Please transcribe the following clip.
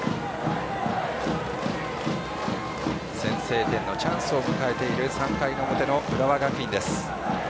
先制点のチャンスを迎えている３回の表の浦和学院です。